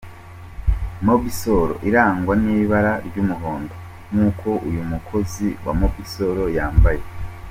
Mobisol irangwa n'ibara ry'umuhondo nk'uko uyu mukozi wa Mobisol yambaye.